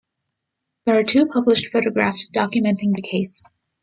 There are two published photographs documenting the case.